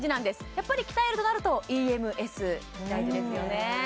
やっぱり鍛えるとなるとＥＭＳ大事ですよね